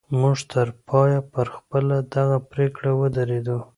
موږ تر پایه پر خپله دغه پرېکړه ودرېدو